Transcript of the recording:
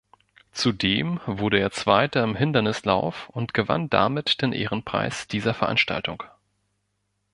Zudem wurde er Zweiter im Hindernislauf und gewann damit den Ehrenpreis dieser Veranstaltung.